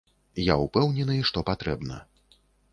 Я ўпэўнены, што патрэбна.